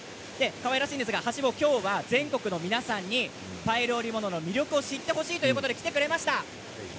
かわいらしいんですがはしぼうは今日は全国の皆さんにパイル織物の魅力を知ってほしいいうことで来ていただきました。